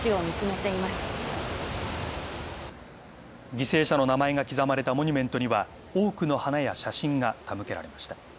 犠牲者の名前が刻まれたモニュメントには多くの花や写真が手向けられました。